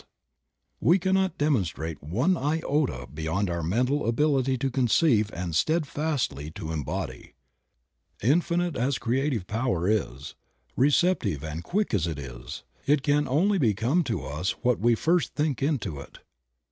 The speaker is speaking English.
Creative Mind. 39 We cannot demonstrate one iota beyond our mental ability to conceive and steadfastly to embody. Infinite as Creative Power is, receptive and quick as it is, it can only become to us what we first think into it.